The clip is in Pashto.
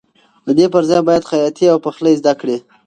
د دې پر ځای باید خیاطي او پخلی زده کړې.